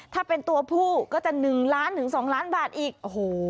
ถ้าเป็นตัวผู้ก็จะหนึ่งล้านหนึ่งสองล้านบาทอีกโอ้โห